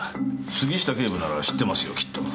杉下警部なら知ってますよきっと。